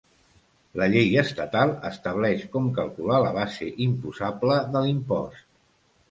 La Llei estatal estableix com calcular la base imposable de l'impost.